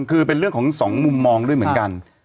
คือเป็นเรื่องของสองมุมมองด้วยเหมือนกัน